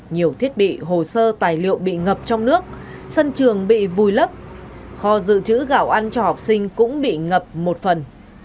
nhiều thiết bị hồ sơ tài liệu bị ngập trong nước sân trường bị vùi lấp kho dự trữ gạo ăn cho học sinh cũng bị ngập một phần